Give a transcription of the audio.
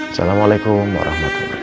assalamualaikum warahmatullahi wabarakatuh